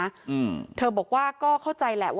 ก็คือเป็นการสร้างภูมิต้านทานหมู่ทั่วโลกด้วยค่ะ